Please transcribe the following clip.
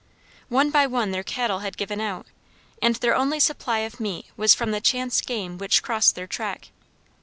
One by one their cattle had given out, and their only supply of meat was from the chance game which crossed their track.